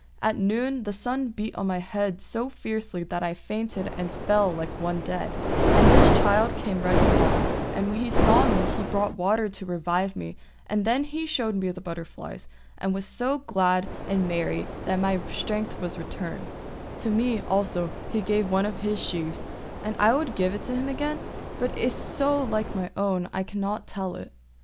At noon the sun beat on my head so fiercely that I fainted and fell down like one dead; and this child came running by, and when he saw me he brought water to revive me, and then he showed me the butterflies, and was so glad and merry that my strength returned; to me also he gave one of his sheaves, and I would give it to him again, but it is so like my own that I cannot tell it."